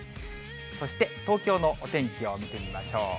そして東京のお天気を見てみましょう。